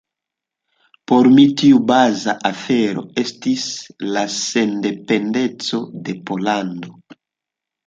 Por mi tiu baza afero estis la sendependeco de Pollando.